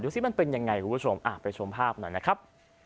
ซิมันเป็นยังไงคุณผู้ชมไปชมภาพหน่อยนะครับ